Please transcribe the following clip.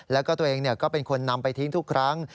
แล้วก็ตัวเองก็เป็นคนนำไปทิ้งทุกครั้ง